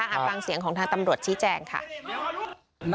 ฟังเสียงของทางตำรวจชี้แจงค่ะ